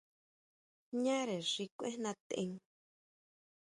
Ñare xi kuijná tʼen.